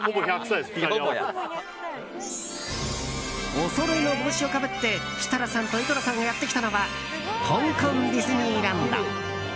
おそろいの帽子をかぶって設楽さんと井戸田さんがやってきたのは香港ディズニーランド。